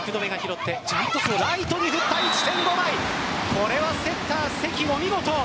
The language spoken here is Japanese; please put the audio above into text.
これはセッター・関もお見事。